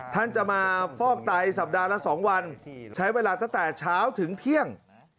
ท่านจะมาฟอกไตสัปดาห์ละ๒วันใช้เวลาตั้งแต่เช้าถึงเที่ยง